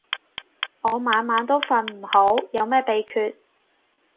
我晚晚都瞓唔好，有咩秘訣